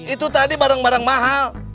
itu tadi barang barang mahal